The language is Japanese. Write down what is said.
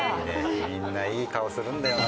みんないい顔するんだよな。